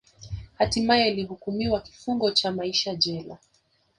Hatimae alihukumiwa kifungo cha maisha jela